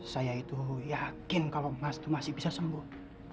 saya itu yakin kalau mas itu masih bisa sembuh